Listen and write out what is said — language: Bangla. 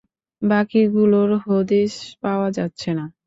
বাকিগুলোর হদিশ পাওয়া যাচ্ছে না!